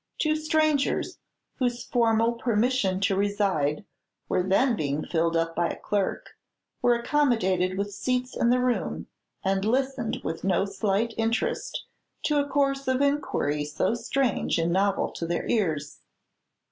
Two strangers, whose formal permission to reside were then being filled up by a clerk, were accommodated with seats in the room, and listened with no slight interest to a course of inquiry so strange and novel to their ears.